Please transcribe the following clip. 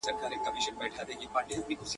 پر سلطان باندي دعاوي اورېدلي.